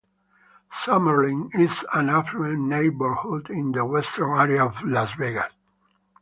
Summerlin is an affluent neighborhood in the western area of Las Vegas.